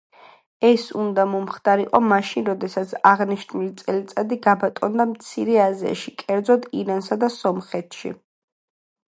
ეს უნდა მომხდარიყო მაშინ როდესაც აღნიშნული წელიწადი გაბატონდა მცირე აზიაში, კერძოდ ირანსა და სომხეთში.